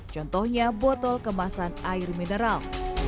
contohnya botol kemasan air mineral